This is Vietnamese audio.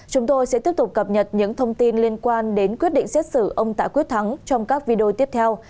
chúng tôi sẽ tiếp tục cập nhật những thông tin liên quan đến quyết định xét xử ông tạ quyết thắng trong các video tiếp theo